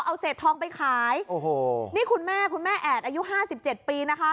เอาเศษทองไปขายโอ้โหนี่คุณแม่คุณแม่แอดอายุห้าสิบเจ็ดปีนะคะ